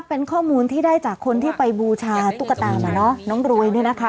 เป็นข้อมูลที่ได้จากคนที่ไปบูชาตุ๊กตาน้องรวยเนี่ยนะคะ